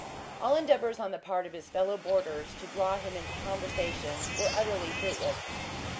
All endeavours on the part of his fellow boarders to draw him into conversation were utterly fruitless.